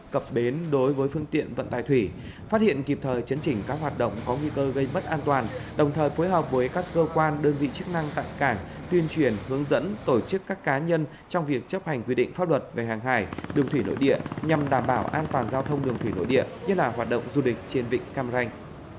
cập bến đối với phương tiện vận tải thủy phát hiện kịp thời chấn chỉnh các hoạt động có nguy cơ gây mất an toàn đồng thời phối hợp với các cơ quan đơn vị chức năng tại cảng tuyên truyền hướng dẫn tổ chức các cá nhân trong việc chấp hành quy định pháp luật về hàng hải đường thủy nội địa nhằm đảm bảo an toàn giao thông đường thủy nội địa nhất là hoạt động du lịch trên vịnh cam ranh